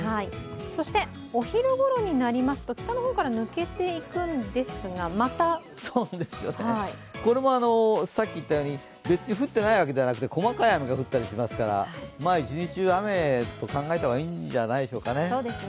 そしてお昼ごろになりますと北の方から抜けていくんですがまたこれもさっき言ったように、降ってないわけではなくて細かい雨が降ったりしますから、一日中雨と考えた方がいいんじゃないでしょうかね。